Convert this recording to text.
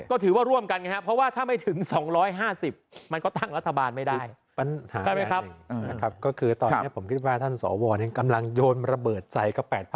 ก็ถือว่าร่วมกันเพราะว่าถ้าไม่ถึง๒๕๐มันก็ตั้งรัฐบาลไม่ได้